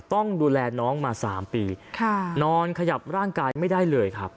ต้องดูแลน้องมา๓ปีนอนขยับร่างกายไม่ได้เลยครับ